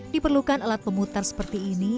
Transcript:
diperlukan alat pemutar seperti ini